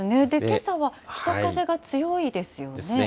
けさは北風が強いですよね。ですね。